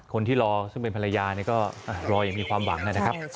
คนที่รอซึ่งเป็นภรรยาก็รออย่างมีความหวังนะครับ